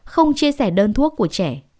không chia sẻ đơn thuốc của trẻ